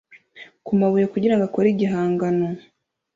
kumabuye kugirango akore igihangano